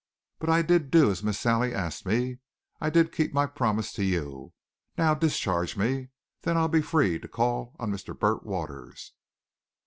But I did do as Miss Sally asked me I did keep my promise to you. Now, discharge me. Then I'll be free to call on Mr. Burt Waters."